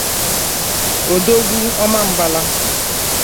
Odogwu Ọmambala